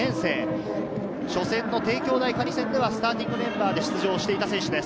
帝京大可児戦ではスターティングメンバーで出場していた選手です。